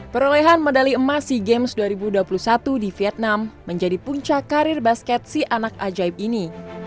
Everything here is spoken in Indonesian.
perolehan medali emas sea games dua ribu dua puluh satu di vietnam menjadi puncak karir basket si anak ajaib ini